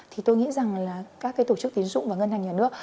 thì tôi nghĩ rằng các tổ chức tín dụng và ngân hàng nhà nước